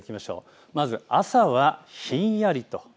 まず朝はひんやり。